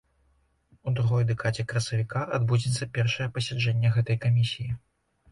У другой дэкадзе красавіка адбудзецца першае пасяджэнне гэтай камісіі.